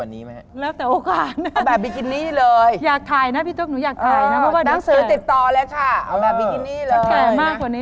นานที